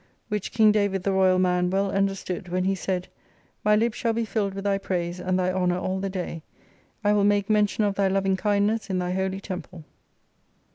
"Which King David the Royal Man well understood, when he said : My lip shall be filled with Thy praise, and Thy honor all the day. I will make nuntion cf Thy loving kindness in Thy Holy Temple.